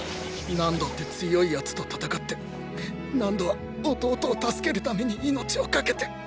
ナンドって強い奴と戦ってナンドは弟を助けるために命を懸けて。